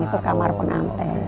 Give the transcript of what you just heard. itu kamar pengantin